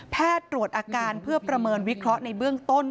ตรวจอาการเพื่อประเมินวิเคราะห์ในเบื้องต้น